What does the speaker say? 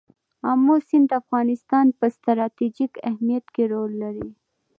آمو سیند د افغانستان په ستراتیژیک اهمیت کې رول لري.